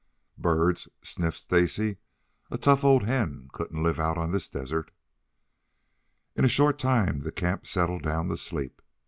"Birds," sniffed Stacy. "A tough old hen couldn't live out on this desert." In a short time the camp settled down to sleep.